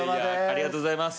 ありがとうございます！